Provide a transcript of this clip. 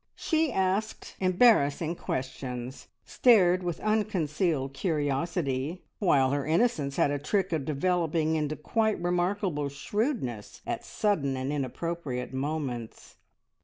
She asked embarrassing questions, stared with unconcealed curiosity, while her innocence had a trick of developing into quite remarkable shrewdness at sudden and inappropriate moments.